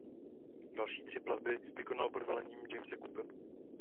Další tři plavby vykonal pod velením Jamese Cooka.